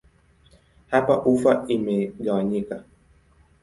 Hapa ufa imegawanyika.